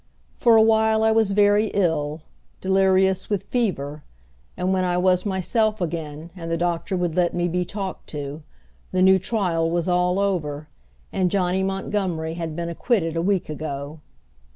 For a while I was very ill, delirious with fever; and when I was myself again and the doctor would let me be talked to, the new trial was all over, and Johnny Montgomery had been acquitted a week ago.